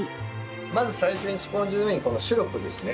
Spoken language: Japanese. まず最初にスポンジの上にシロップですね。